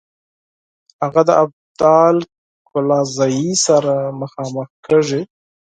هغه د ابدال کلزايي سره مخامخ کیږي.